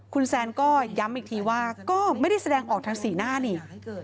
คุณแซนก็ย้ำอีกทีว่าก็ไม่ได้แสดงออกทางสีหน้านี่